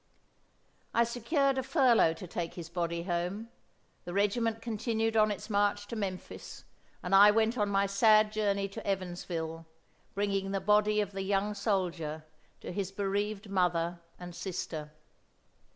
I secured a furlough to take his body home. The regiment continued on its march to Memphis, and I went on my sad journey to Evansville, bringing the body of the young soldier to his bereaved mother and sister.